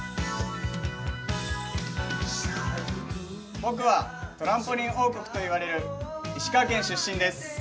僕はトランポリン王国と言われる石川県出身です。